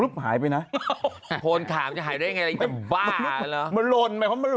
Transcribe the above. ไม่ที่ลัดของ